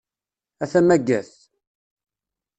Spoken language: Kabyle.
A tamagadt!